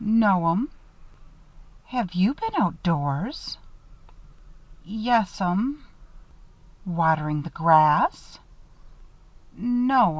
"No'm." "Have you been outdoors?" "Yes'm." "Watering the grass?" "No'm."